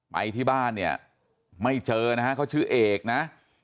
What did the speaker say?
ไปที่บ้านเนี่ยไม่เจอนะฮะเขาชื่อเอกนะ